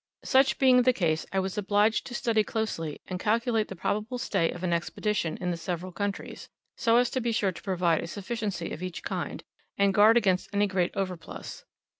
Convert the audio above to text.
Such being the case, I was obliged to study closely, and calculate the probable stay of an expedition in the several countries, so as to be sure to provide a sufficiency of each kind, and guard against any great overplus.